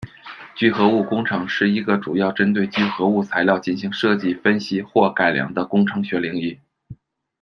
聚合物工程是一个主要针对聚合物材料进行设计、分析或改良的工程学领域。